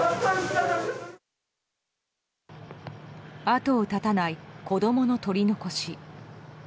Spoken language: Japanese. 後を絶たない子供の取り残し。